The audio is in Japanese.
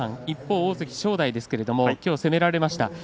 一方、大関正代ですがきょう攻められました。